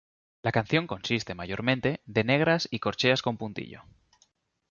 La canción consiste mayormente de negras y corcheas con puntillo.